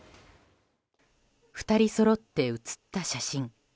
２人そろって写った写真。